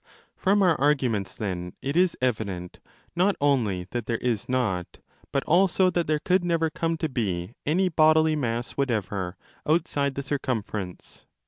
From our arguments then it is evident not only that there is not, but also that there could never come to be, any bodily mass whatever outside 'the circumference.